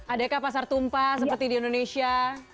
adakah pasar tumpah seperti di indonesia